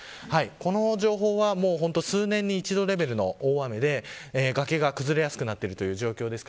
この情報は数年に一度レベルの大雨で崖が崩れやすくなっている状況です。